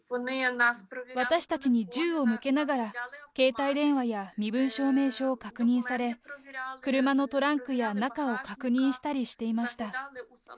私たちに銃を向けながら、携帯電話や身分証明書を確認され、車のトランクや中を確認したりしていました。